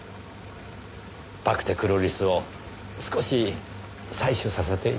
バクテクロリスを少し採取させていただけませんか。